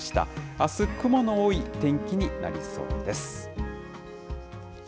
あす、雲の多い天気になりそうです。